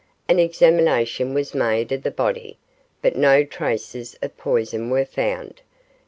An examination was made of the body, but no traces of poison were found.